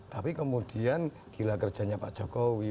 tapi kemudian gila kerjanya pak jokowi